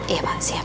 iya pak siap